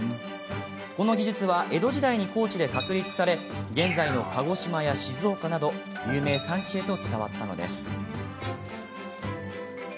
この技術は江戸時代に高知で確立され現在の鹿児島や静岡など有名産地へと伝わったのです。